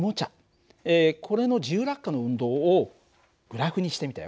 これの自由落下の運動をグラフにしてみたよ。